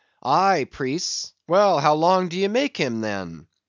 "Aye, priests—well, how long do ye make him, then?"